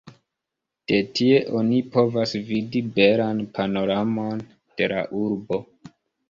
De tie oni povas vidi belan panoramon de la urbo.